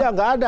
ya tidak ada